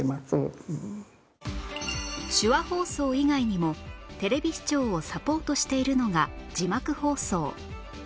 手話放送以外にもテレビ視聴をサポートしているのが字幕放送